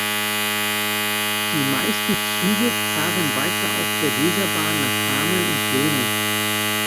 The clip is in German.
Die meisten Züge fahren weiter auf der Weserbahn nach Hameln und Löhne.